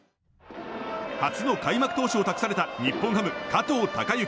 初の開幕投手を託された日本ハム加藤貴之。